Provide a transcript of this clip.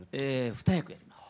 ２役やります。